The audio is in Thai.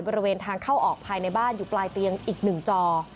บริเวณทางเข้าออกภายในบ้านอยู่ปลายเตียงอีก๑จอ